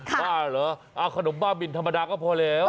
บ้าเหรอขนมบ้าบินธรรมดาก็พอแล้ว